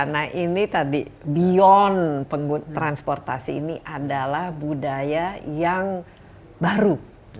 nah ini tadi beyond transportasi ini adalah budaya yang baru